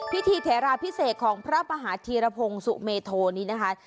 เทราพิเศษของพระมหาธีรพงศ์สุเมโทนี้นะคะ